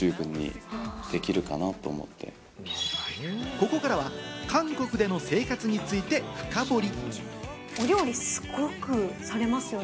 ここからは韓国での生活について深堀り。